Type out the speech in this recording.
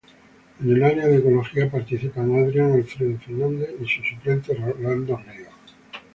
En el área de ecología participan Adrián Alfredo Fernández y su suplente Rolando Ríos.